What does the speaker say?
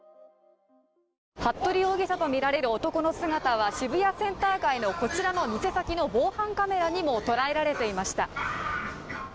服部容疑者とみられる男の姿は渋谷センター街のこちらの店先の防犯カメラにも捉えられていました。